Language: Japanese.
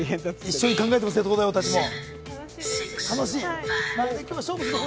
一緒に考えていますね、東大王たちも。